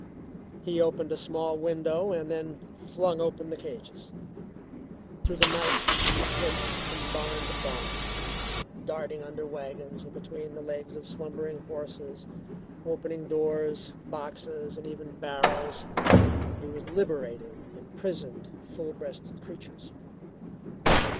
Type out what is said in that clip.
He opened a small window and then flung open the cages. Through the night he limped from barn to barn, darting under wagons, and between the legs of slumbering horses, opening doors, boxes, and even barrels. He was liberating the imprisoned, full breasted creatures.